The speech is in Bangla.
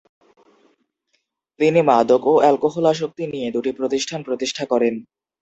তিনি মাদক ও অ্যালকোহল আসক্তি নিয়ে দুটি প্রতিষ্ঠান প্রতিষ্ঠা করেন।